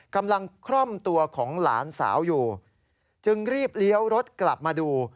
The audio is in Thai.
กำลังคล่อมตัวของหลานสาวอยู่จึงรีบเลี้ยวรถกลับมาดู